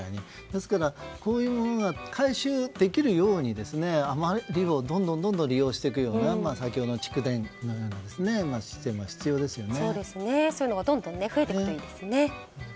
ですからそういうものが回収できるように、余りをどんどん利用していくような先ほどの蓄電池などのようなものもそういうのがどんどん増えていくといいですね。